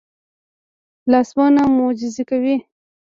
لاسونه معجزې کوي